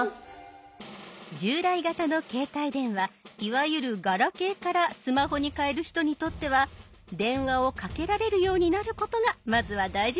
従来型の携帯電話いわゆるガラケーからスマホに替える人にとっては電話をかけられるようになることがまずは大事ですよね。